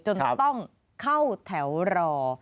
จนต้องเข้าแถวรอ